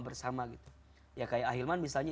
bersama gitu ya kayak ahilman misalnya